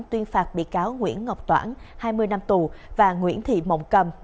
tuyên phạt bị cáo nguyễn ngọc toãn hai mươi năm tù và nguyễn thị mộng cầm